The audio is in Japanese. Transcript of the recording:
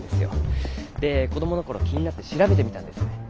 で子どもの頃気になって調べてみたんです。